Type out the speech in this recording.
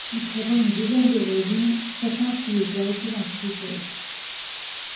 Il prévoit une dizaine de volumes, chacun sous l'autorité d'un spécialiste.